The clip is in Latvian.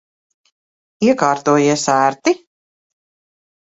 Iekārtojies ērti?